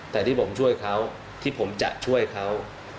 แต่ที่ผมช่วยเขาที่ผมจะช่วยเขา